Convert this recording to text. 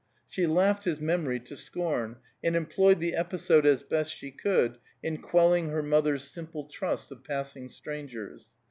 She laughed his memory to scorn, and employed the episode as best she could in quelling her mother's simple trust of passing strangers.